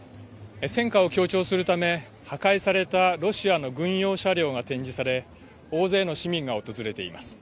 戦果を強調するため破壊されたロシアの軍用車両が展示され大勢の市民が訪れています。